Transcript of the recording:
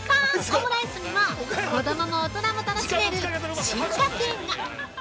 オムライスには子供も大人も楽しめる進化系が！